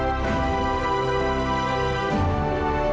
aku harus ke belakang